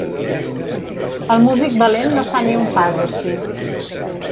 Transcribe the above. El músic valent no fa ni un pas així.